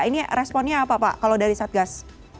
ini responnya apa pak kalau dari satgas